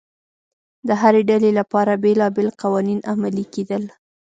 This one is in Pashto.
د هرې ډلې لپاره بېلابېل قوانین عملي کېدل